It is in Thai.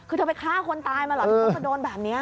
คือเธอไปฆ่าคนตายมาเหรอที่ต้องแบบนี้